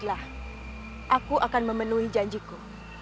aku akan memenuhi janjiku